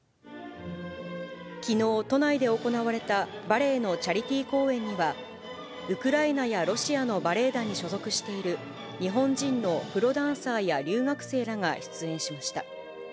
きのう、都内で行われたバレエのチャリティー公演には、ウクライナやロシアのバレエ団に所属している日本人のプロダンサーや留学生らが出演しました。